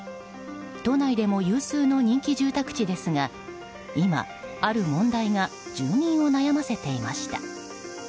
都内でも有数の人気住宅地ですが今、ある問題が住民を悩ませていました。